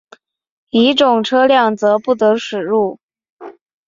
乙种车辆则不得驶入。